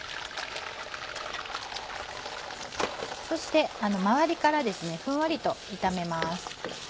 そして周りからふんわりと炒めます。